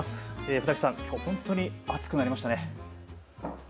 船木さん、きょう本当に暑くなりましたね。